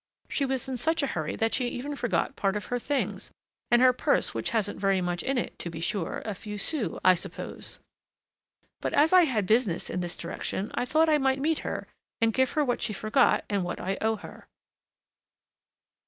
She was in such a hurry that she even forgot part of her things and her purse, which hasn't very much in it, to be sure; a few sous, I suppose! but as I had business in this direction, I thought I might meet her and give her what she forgot and what I owe her."